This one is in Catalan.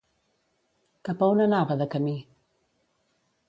Cap a on anava de camí?